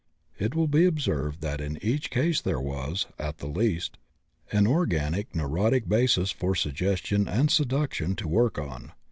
It will be observed that in each case there was, at the least, an organic neurotic basis for suggestion and seduction to work on.